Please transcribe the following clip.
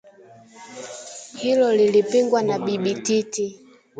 Hilo lilipingwa na Bibi Titi